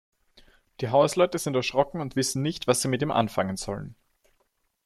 Die Hausleute sind erschrocken und wissen nicht, was sie mit ihm anfangen sollen.